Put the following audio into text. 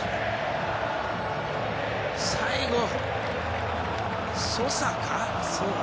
最後、ソサか？